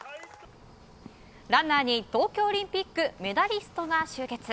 ランナーに東京オリンピックメダリストが集結。